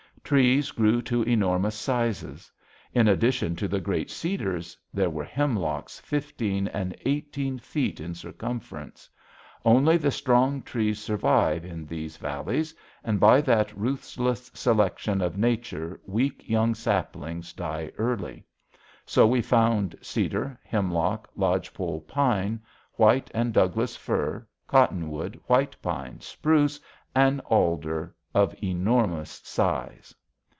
Trees grew to enormous sizes. In addition to the great cedars, there were hemlocks fifteen and eighteen feet in circumference. Only the strong trees survive in these valleys, and by that ruthless selection of nature weak young saplings die early. So we found cedar, hemlock, lodge pole pine, white and Douglas fir, cottonwood, white pine, spruce, and alder of enormous size.